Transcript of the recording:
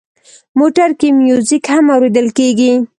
موټر کې میوزیک هم اورېدل کېږي.